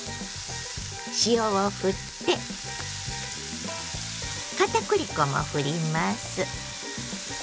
塩をふって片栗粉もふります。